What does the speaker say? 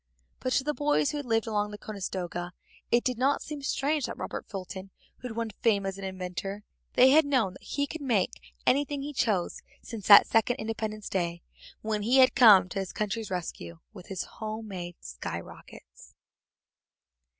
But to the boys who had lived along the Conestoga it did not seem strange that Robert Fulton had won fame as an inventor; they had known he could make anything he chose since that second Independence Day when he had come to his country's rescue with his home made sky rockets.